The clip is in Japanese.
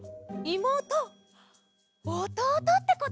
もうとおとうとってこと？